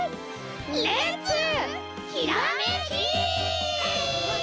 レッツひらめき！